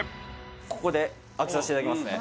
ここで開けさせていただきますね